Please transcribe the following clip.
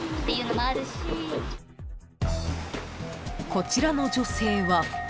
［こちらの女性は］